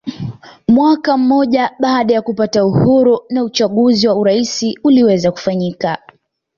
Mwaka mmoja baada ya kupata uhuru na uchaguzi wa urais uliweza kufanyika